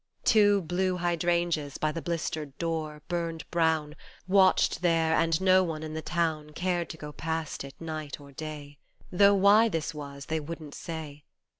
Two blue hydrangeas by the blistered door, burned brown, Watched there and no one in the town Cared to go past, it night or day, Though why this was they wouldn't say.